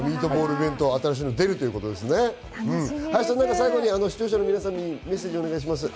最後に視聴者の皆さんにメッセージをお願いします。